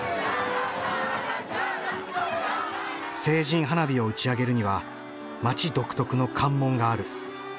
成人花火を打ち上げるには町独特の関門がある。